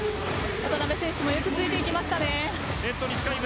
渡邊選手もよくついていきました。